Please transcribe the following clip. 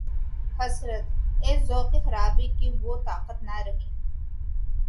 حسرت! اے ذوقِ خرابی کہ‘ وہ طاقت نہ رہی